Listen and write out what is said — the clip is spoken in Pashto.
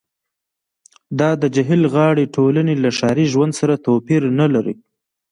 دا د جهیل غاړې ټولنې له ښاري ژوند سره توپیر نلري